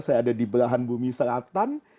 saya ada di belahan bumi selatan